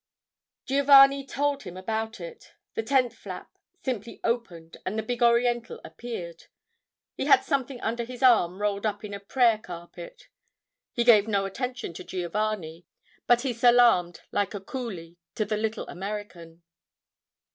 Giovanni told about it. The tent flap simply opened, and the big Oriental appeared. He had something under his arm rolled up in a prayer carpet. He gave no attention to Giovanni, but he salaamed like a coolie to the little American.